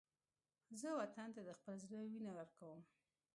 زه وطن ته د خپل زړه وینه ورکوم